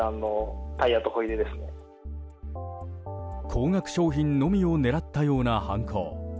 高額商品のみを狙ったような犯行。